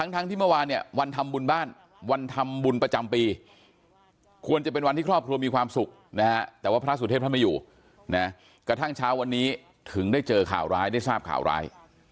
เนี่ยกระทั่งเช้าวันนี้ถึงได้เจอข่าวร้ายได้ทราบข่าวร้าย